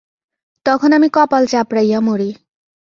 তখন আমি কপাল চাপড়াইয়া মরি।